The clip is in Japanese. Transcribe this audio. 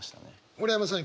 村山さん